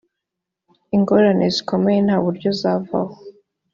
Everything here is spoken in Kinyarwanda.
ingorane zikomeye nta buryo zavaho